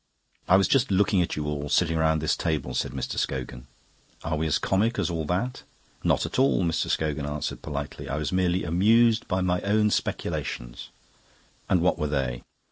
"I was just looking at you all, sitting round this table," said Mr. Scogan. "Are we as comic as all that?" "Not at all," Mr. Scogan answered politely. "I was merely amused by my own speculations." "And what were they?"